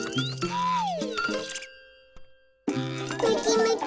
はい。